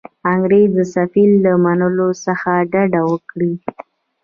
انګرېز د سفیر له منلو څخه ډډه وکړي.